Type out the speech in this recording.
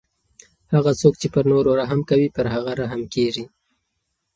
هغه څوک چې پر نورو رحم کوي پر هغه رحم کیږي.